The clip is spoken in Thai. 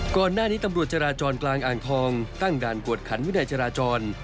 ก่อนหน้านี้ตำรวจจราจรกลางอ่างทองตั้งด่านกวดขันวินัยจราจร